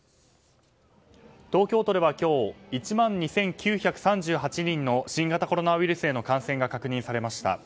東京都では今日１万２９３８人の新型コロナウイルスへの感染が確認されました。